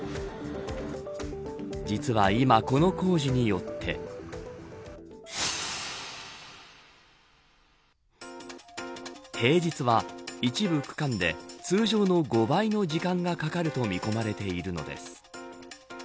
実は今、この工事によって。平日は、一部区間で通常の５倍の時間がかかると見込まれているのです。